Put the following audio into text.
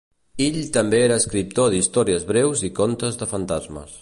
Hill també era escriptor d'històries breus i contes de fantasmes.